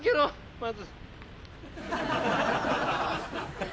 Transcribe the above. まず。